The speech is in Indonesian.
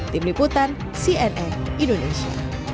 tim liputan cnn indonesia